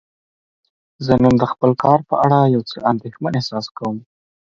زه نن د خپل کار په اړه یو څه اندیښمن احساس کوم.